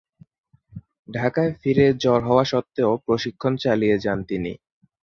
ঢাকায় ফিরে জ্বর হওয়া সত্ত্বেও প্রশিক্ষণ চালিয়ে যান তিনি।